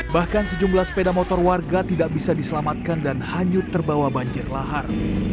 bahkan sejumlah sepeda motor warga tidak bisa diselamatkan dan hanyut terbawa banjir lahar